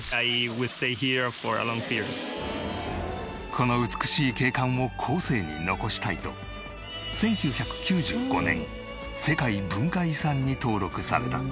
この美しい景観を後世に残したいと１９９５年世界文化遺産に登録された。